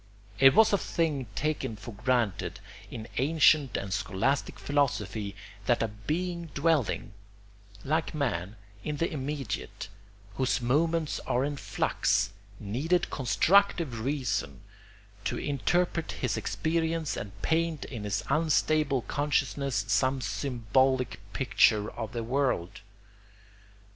It was a thing taken for granted in ancient and scholastic philosophy that a being dwelling, like man, in the immediate, whose moments are in flux, needed constructive reason to interpret his experience and paint in his unstable consciousness some symbolic picture of the world.